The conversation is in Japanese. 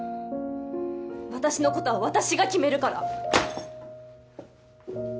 私のことは私が決めるから。